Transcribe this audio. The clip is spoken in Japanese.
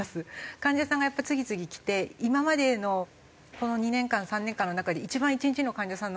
患者さんがやっぱ次々来て今までのこの２年間３年間の中で一番一日の患者さんの数が多いかなっていう。